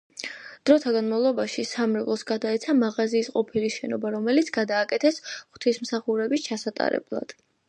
დროტა განამვლობაში სამრევლოს გადაეცა მაღაზიის ყოფილი შენობა, რომელიც გადააკეთეს ღვთისმსახურების ჩასატარებლად.